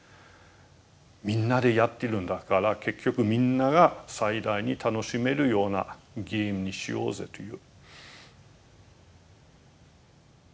みんなでやってるんだから結局みんなが最大に楽しめるようなゲームにしようぜという。